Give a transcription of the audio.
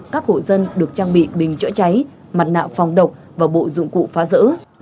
các hộ dân được trang bị bình chữa cháy mặt nạ phòng độc và bộ dụng cụ phá rỡ